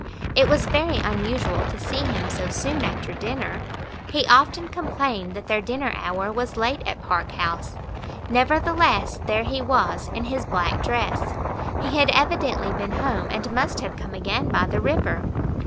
It was very unusual to see him so soon after dinner! He often complained that their dinner hour was late at Park House. Nevertheless, there he was, in his black dress; he had evidently been home, and must have come again by the river.